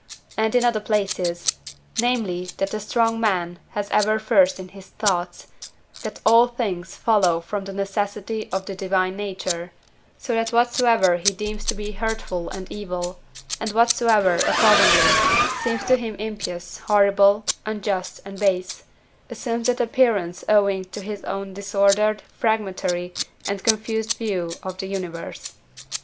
and in other places; namely, that the strong man has ever first in his thoughts, that all things follow from the necessity of the divine nature; so that whatsoever he deems to be hurtful and evil, and whatsoever, accordingly, seems to him impious, horrible, unjust, and base, assumes that appearance owing to his own disordered, fragmentary, and confused view of the universe.